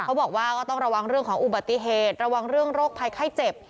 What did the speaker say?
เขาบอกว่าก็ต้องระวังเรื่องของอุบัติเหตุระวังเรื่องโรคภัยไข้เจ็บ